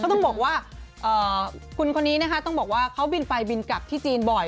ต้องบอกว่าคุณคนนี้นะคะต้องบอกว่าเขาบินไปบินกลับที่จีนบ่อย